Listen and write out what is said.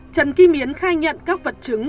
trần kim yến khai nhận các vật chứng